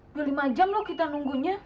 udah lima jam loh kita nunggunya